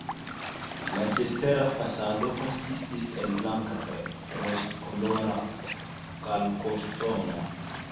La ekstera fasado konsistis el blanka kaj rozkolora kalkoŝtono.